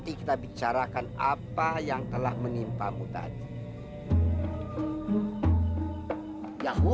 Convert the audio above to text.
tapi saya merasa bahwa dia mematikan diriku